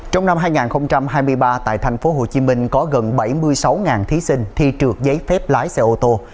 trong năm hai nghìn hai mươi ba tại thành phố hồ chí minh có gần bảy mươi sáu thí sinh thi trượt giấy phép lái xe ô tô